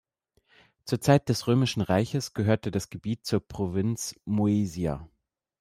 Zur Zeit des Römischen Reiches gehörte das Gebiet zur Provinz Moesia.